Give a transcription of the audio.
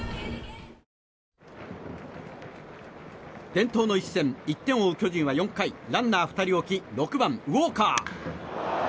伝統の一戦１点を追う巨人は４回ランナー２人置き６番、ウォーカー。